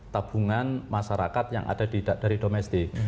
tabungan masyarakat yang ada dari domestik